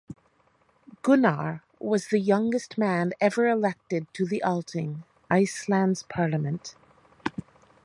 Gunnar was the youngest man ever elected to the Althing, Iceland's Parliament.